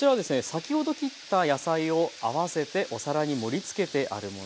先ほど切った野菜を合わせてお皿に盛りつけてあるものです。